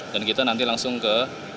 dan kita nanti langsung ke